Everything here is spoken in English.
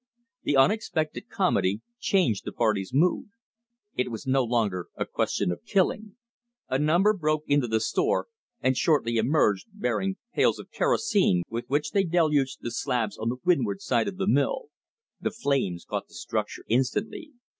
The unexpected comedy changed the party's mood. It was no longer a question of killing. A number broke into the store, and shortly emerged, bearing pails of kerosene with which they deluged the slabs on the windward side of the mill. The flames caught the structure instantly.